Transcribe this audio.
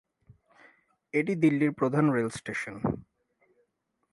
এটি দিল্লির প্রধান রেল স্টেশন।